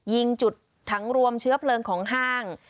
ยิงจุดถังรวมเชื้อเพลิงของห้าง